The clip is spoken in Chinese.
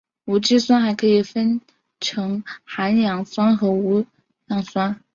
无机酸还可以分成含氧酸和无氧酸。